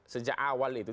sejak awal itu